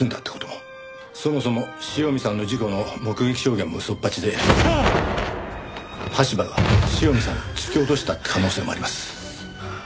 そもそも塩見さんの事故の目撃証言も嘘っぱちで羽柴が塩見さんを突き落としたって可能性もあります。